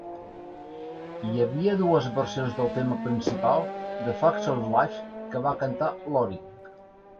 Hi havia dues versions del tema principal de "Facts of Life" que va cantar Loring.